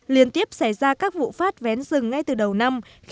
liên tiếp xảy ra các vụ phát vén rừng ngay từ đầu năm